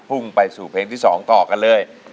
่งไปสู่เพลงที่๒ต่อกันเลย